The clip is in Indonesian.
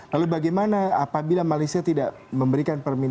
lalu bagaimana apabila malaysia tidak memberikan